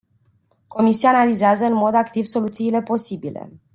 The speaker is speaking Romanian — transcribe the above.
Comisia analizează în mod activ soluțiile posibile.